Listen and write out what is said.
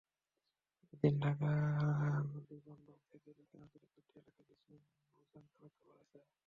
এদিন ঢাকা নদীবন্দর থেকে দক্ষিণাঞ্চলের কয়েকটি এলাকায় কিছু নৌযান চলাচল করেছে।